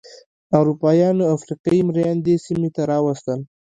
اروپایانو افریقايي مریان دې سیمې ته راوستل.